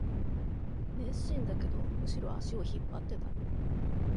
熱心だけど、むしろ足を引っ張ってた